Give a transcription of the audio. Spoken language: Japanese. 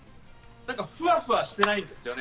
ふわふわしてないんですよね。